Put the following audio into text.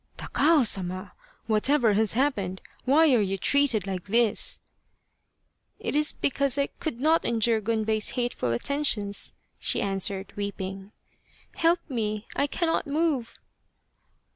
" Takao Sama, whatever has happened ? Why are you treated like this ?"" It is because I could not endure Gunbei's hateful attentions," she answered, weeping. " Help me, I cannot move